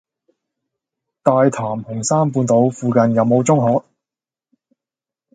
大潭紅山半島附近有無中學？